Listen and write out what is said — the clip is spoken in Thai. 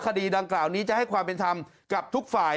คดีดังกล่าวนี้จะให้ความเป็นธรรมกับทุกฝ่าย